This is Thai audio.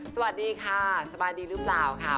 สวัสดีค่ะสบายดีหรือเปล่าค่ะ